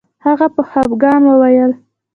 هغه په خفګان وویل